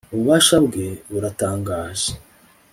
ububasha bwe buratangaje